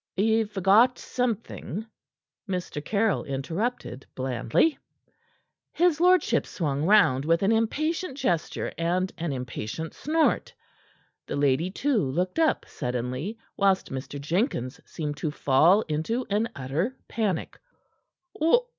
"Ye've forgot something," Mr. Caryll interrupted blandly. His lordship swung round with an impatient gesture and an impatient snort; the lady, too, looked up suddenly, whilst Mr. Jenkins seemed to fall into an utter panic.